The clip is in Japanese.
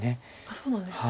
そうなんですか。